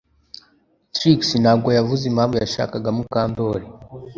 Trix ntabwo yavuze impamvu yashakaga Mukandoli